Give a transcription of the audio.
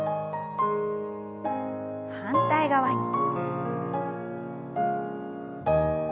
反対側に。